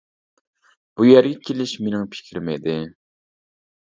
بۇ يەرگە كېلىش مېنىڭ پىكرىم ئىدى.